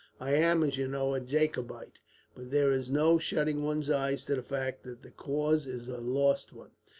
I am, as you know, a Jacobite; but there is no shutting one's eyes to the fact that the cause is a lost one.